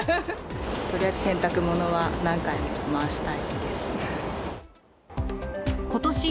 とりあえず洗濯物は何回も回したいです。